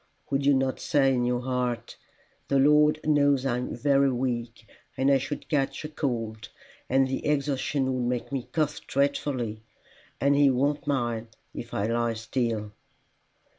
"Would you not say in your heart, 'The Lord knows I am very weak, and I should catch cold, and the exertion would make me cough dreadfully, and he won't mind if I lie still?